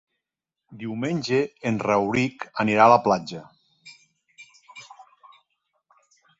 Diumenge en Rauric anirà a la platja.